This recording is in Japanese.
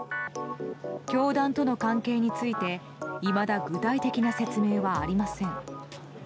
教団との関係についていまだ具体的な説明はありません。